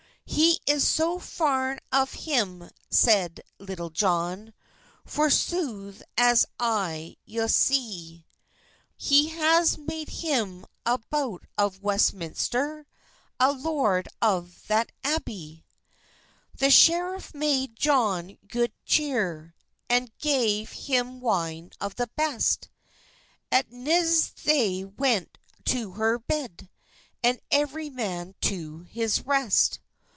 "He is so fayn of hym," seid Litulle Johne, "For sothe as I yow sey, He has made hym abot of Westmynster, A lorde of that abbay." The scheref made John gode chere, And gaf hym wine of the best; At nyzt thei went to her bedde, And euery man to his rest.